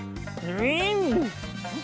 うん。